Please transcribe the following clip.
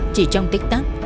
chỉ trong tích tắc